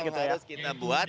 itu yang harus kita buat